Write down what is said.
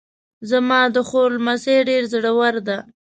زما د خور لمسی ډېر زړور ده